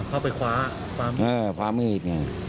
เออพามิดเนี้ย